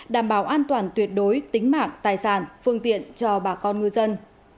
đảm bảo an toàn tuyệt đối tính mạng tài sản phương tiện cho bà con ngư dân